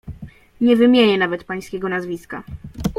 "Nie wymienię nawet pańskiego nazwiska."